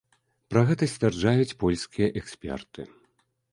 Пра гэта сцвярджаюць польскія эксперты.